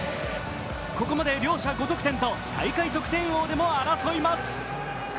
ここまで両者５得点と得点王でも争います。